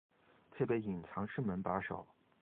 配备隐藏式门把手